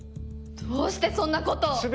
どうしてそんなことを！？